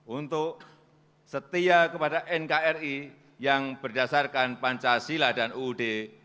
untuk setia kepada nkri yang berdasarkan pancasila dan uud seribu sembilan ratus empat puluh lima